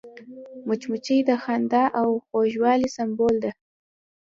مچمچۍ د خندا او خوږوالي سمبول ده